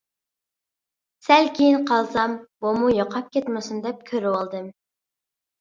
سەل كىيىن قالسام بۇمۇ يوقاپ كەتمىسۇن دەپ كۆرۈۋالدىم.